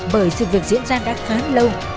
bởi sự việc diễn ra đã khá lâu